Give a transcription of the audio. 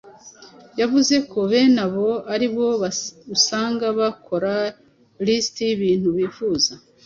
Yavuze ko bene abo ari bo usanga bakora lisiti y’ibintu bifuza